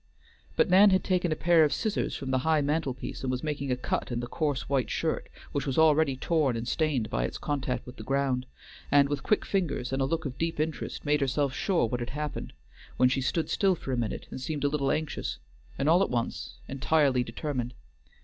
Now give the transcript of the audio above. But Nan had taken a pair of scissors from the high mantelpiece and was making a cut in the coarse, white shirt, which was already torn and stained by its contact with the ground, and with quick fingers and a look of deep interest made herself sure what had happened, when she stood still for a minute and seemed a little anxious, and all at once entirely determined.